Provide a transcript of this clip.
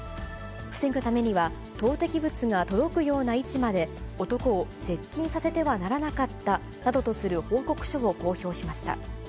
防ぐためには投てき物が届くような位置まで、男を接近させてはならなかったなどとする報告書を公表しました。